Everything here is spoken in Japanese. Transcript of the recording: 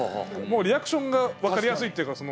リアクションが分かりやすいっていうか